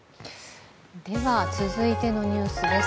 続いてのニュースです。